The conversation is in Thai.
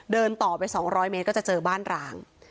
เดินต่อไป๒๐๐เมตรก็จะเจอบ้านราง